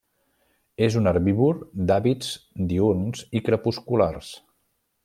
És un herbívor d'hàbits diürns i crepusculars.